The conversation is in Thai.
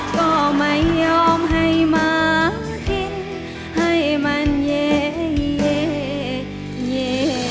ก็ไม่ยอมให้มากินให้มันเย่เย่เย่